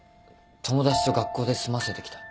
友達と学校で済ませてきた。